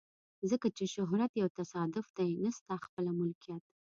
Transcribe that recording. ځکه چې شهرت یو تصادف دی نه ستا خپله ملکیت.